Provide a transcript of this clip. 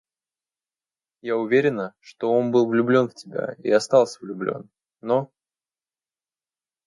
Я уверена, что он был влюблен в тебя и остался влюблен, но...